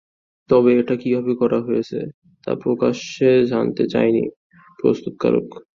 তবে এটা কীভাবে করা হয়েছে, তা প্রকাশ্যে জানাতে চায়নি প্রস্তুতকারক সংস্থাটি।